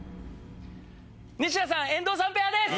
西田さん遠藤さんペアです！